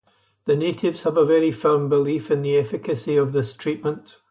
The natives have a very firm belief in the efficacy of this treatment.